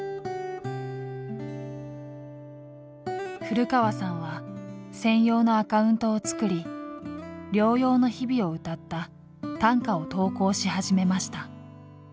古川さんは専用のアカウントを作り療養の日々をうたった短歌を投稿し始めました。